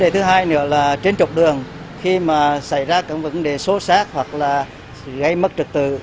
thứ hai nữa là trên trục đường khi mà xảy ra các vấn đề xô xát hoặc là gây mất trực tự